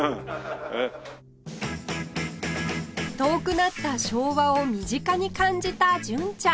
遠くなった昭和を身近に感じた純ちゃん